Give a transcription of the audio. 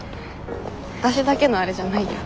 わたしだけのあれじゃないよ。